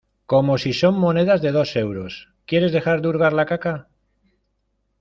como si son monedas de dos euros, ¿ quieres dejar de hurgar la caca